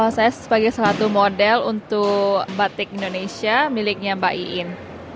saya sebagai salah satu model untuk batik indonesia miliknya mbak iin